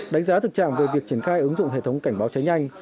đánh giá thực trạng về việc triển khai ứng dụng hệ thống cảnh báo cháy nhanh